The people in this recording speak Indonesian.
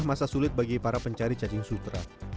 masa sulit bagi para pencari cacing sutra